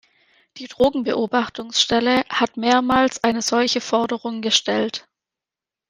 Die Drogenbeobachtungsstelle hat mehrmals eine solche Forderung gestellt.